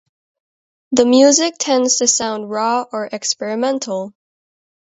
The music tends to sound raw or experimental.